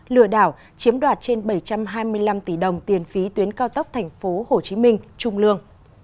lừa đảo chiếm đoạt trên bảy trăm hai mươi năm tỷ đồng tiền phí tuyến cao tốc tp hcm trung lương